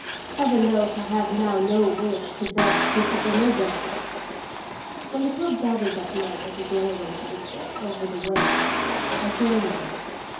" Heaven knows I have now no wish to thus visit another ! When the club gathered that night at the doorway to the steps over the way, I joined them.